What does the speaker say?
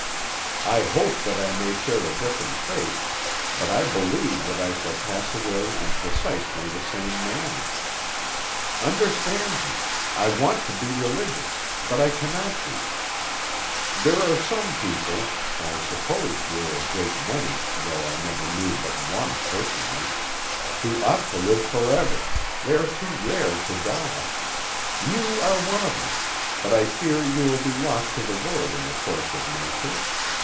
I hope that I may share a different fate, but I believe that I shall pass away in precisely the same manner. Understand me; I want to be religious, but I cannot be. There are some people I suppose there are a great many, though I never knew but one personally who ought to live forever; they are too rare to die. You are one of them, but I fear you will be lost to the world in the course of nature.